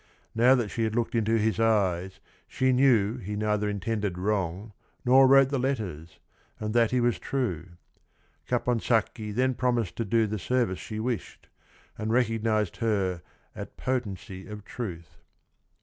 Now that she had looked into his eyes she knew he neither in tended wrong nor wrote the letters, and that he was true. Caponsacchi then promised to do the service she wished, and "recognized her at potency of truth."